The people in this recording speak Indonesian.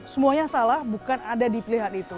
semuanya salah bukan ada di pilihan itu